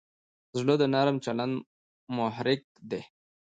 زړه د نرم چلند محرک دی.